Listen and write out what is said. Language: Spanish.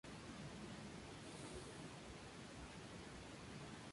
Comprende zonas bajas, de terrenos planos y húmedos con algunas ondulaciones.